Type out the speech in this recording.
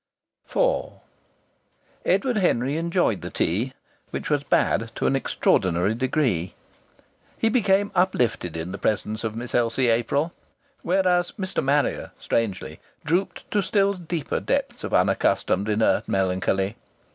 IV Edward Henry enjoyed the tea, which was bad, to an extraordinary degree. He became uplifted in the presence of Miss Elsie April; whereas Mr. Marrier, strangely, drooped to still deeper depths of unaccustomed inert melancholy.